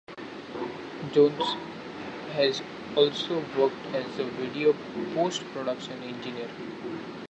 Jones has also worked as a video post-production engineer.